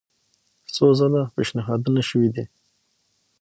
څو ځله پېشنهادونه شوي دي.